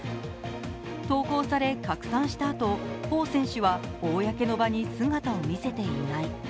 投稿され拡散した後、彭選手は公の場に姿を見せていない。